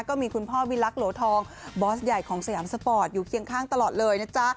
ก็มีคุณพ่อวิลักษ์โหลทองบอสใหญ่ของสยามสปอร์ตอยู่เคียงข้างตลอดเลยนะจ๊ะ